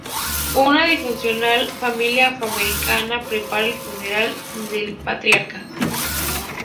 Una disfuncional familia afroamericana prepara el funeral del patriarca.